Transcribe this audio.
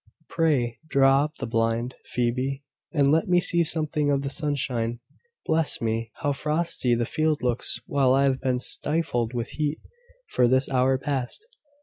"Pray, draw up the blind, Phoebe, and let me see something of the sunshine. Bless me! how frosty the field looks, while I have been stifled with heat for this hour past!